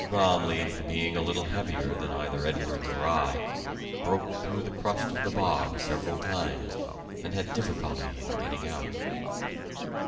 Bromley, being a little heavier than either Edwards or I, broke through the crust of the bog several times, and had difficulty in getting out.